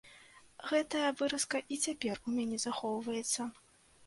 Гэтая выразка і цяпер у мяне захоўваецца.